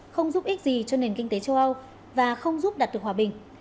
không giúp ích gì cho nền kinh tế châu âu và không giúp đạt được hòa bình